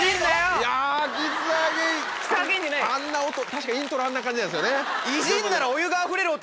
確かイントロあんな感じなんですよね。